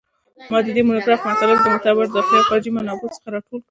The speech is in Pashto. ما د دې مونوګراف مطالب د معتبرو داخلي او خارجي منابعو څخه راټول کړل